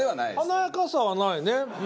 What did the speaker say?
華やかさはないね。